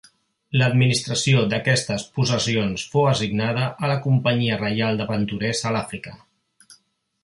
L'administració d'aquestes possessions fou assignada a la Companyia Reial d'Aventurers a l'Àfrica.